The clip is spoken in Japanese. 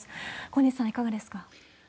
小西さん、いかがですか？